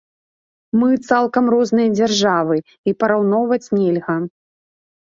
Мы цалкам розныя дзяржавы, і параўноўваць нельга.